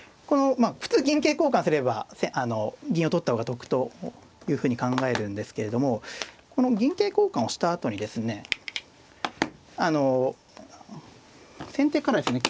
普通銀桂交換すれば銀を取った方が得というふうに考えるんですけれども銀桂交換をしたあとにですね先手からですね